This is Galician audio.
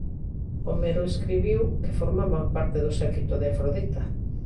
Homero escribiu que formaban parte do séquito de Afrodita.